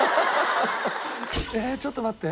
えちょっと待って。